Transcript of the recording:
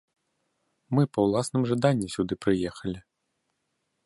Мы па ўласным жаданні сюды прыехалі.